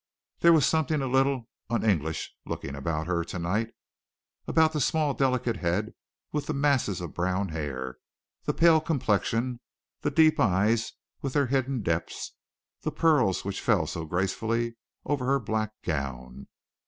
There was something a little un English looking about her to night, about the small, delicate head with the masses of brown hair, the pale complexion, the deep eyes with their hidden depths, the pearls which fell so gracefully over her black gown.